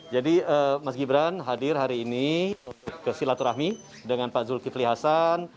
jadi mas gibran hadir hari ini ke silaturahmi dengan pak zulkifli hasan